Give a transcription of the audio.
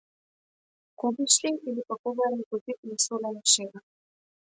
Кобиш ли или пак ова е некој вид несолена шега?